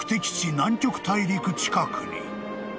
南極大陸近くに］